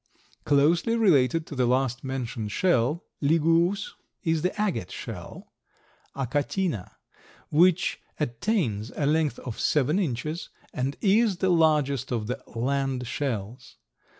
Closely related to the last mentioned shell (Liguus) is the agate shell (Achatina), which attains a length of seven inches and is the largest of the land shells.